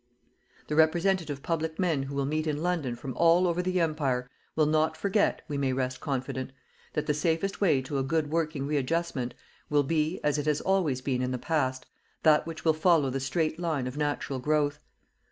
The representative public men who will meet in London from all over the Empire will not forget, we may rest confident, that the safest way to a good working readjustment will be, as it has always been in the past, that which will follow the straight line of natural growth.